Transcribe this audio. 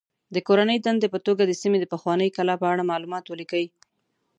د کورنۍ دندې په توګه د سیمې د پخوانۍ کلا په اړه معلومات ولیکئ.